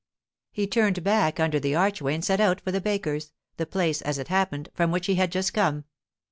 He turned back under the archway and set out for the baker's—the place, as it happened, from which he had just come.